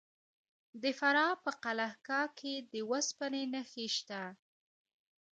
د فراه په قلعه کاه کې د وسپنې نښې شته.